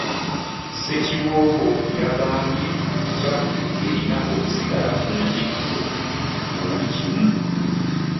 Ssekiboobo yagambye nti Kyaggwe erina okusigala ku ntikko mu buli kimu.